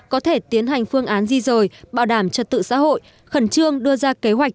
có thể tiến hành phương án di rời bảo đảm trật tự xã hội khẩn trương đưa ra kế hoạch